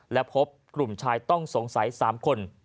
และพบกลุ่มชายต้องสงสัย๓คน